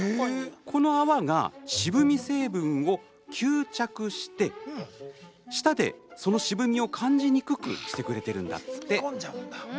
この泡が渋み成分を吸着して舌で、その渋みを感じにくくしてくれているんだって。